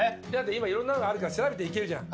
今いろんなのあるから調べて行けるじゃん。